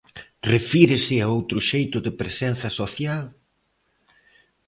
Refírese a outro xeito de presenza social?